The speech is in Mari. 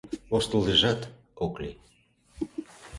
Воштылдежат ок лий.